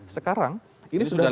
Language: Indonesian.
sekarang ini sudah dua tahun